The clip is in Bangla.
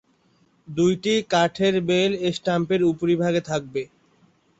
দুইটি কাঠের বেইল স্ট্যাম্পের উপরিভাগে থাকবে।